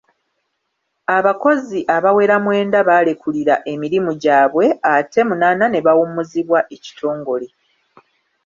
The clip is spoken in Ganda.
Abakozi abawera mwenda baalekulira emirimu gyabwe ate munaana ne bawummuzibwa ekitongole.•